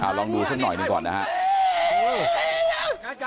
อ่าลองดูเส้นหน่อยหนึ่งก่อนนะฮะ